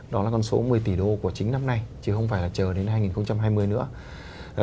đó là con số một mươi tỷ đô của chính năm nay chứ không phải là chờ đến hai nghìn hai mươi nữa